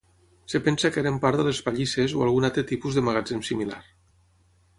Es pensa que eren part de les pallisses o algun altre tipus de magatzem similar.